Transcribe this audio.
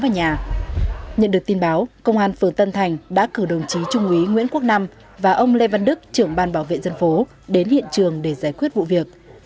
nhận được tin báo công an phường tân thành đã cử đồng chí trung úy nguyễn quốc nam và ông lê văn đức trưởng ban bảo vệ dân phố đến hiện trường để giải quyết vụ việc